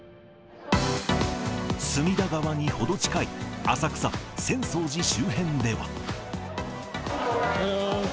隅田川に程近い、浅草・浅草寺周辺では。